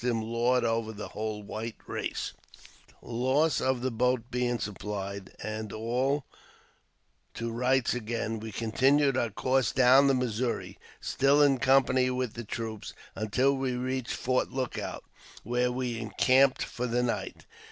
him lord over the whole white race. JAMES P. BECKWOURTH. 87 The loss of the boat being supplied, and all to rights again, we continued our course down the Missouri, still in company with the troops, until we reached Fort Look out, where we encamped for the night.